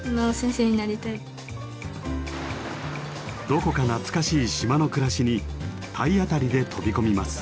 どこか懐かしい島の暮らしに体当たりで飛び込みます。